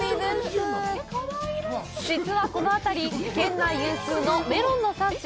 実はこの辺り、県内有数のメロンの産地。